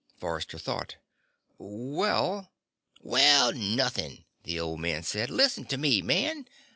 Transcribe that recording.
Forrester thought. "Well " "Well, nothing," the old man said. "Listen to me, man.